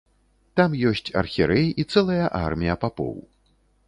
Там ёсць архірэй і цэлая армія папоў.